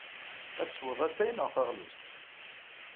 Ad teswed atay neɣ taɣlust?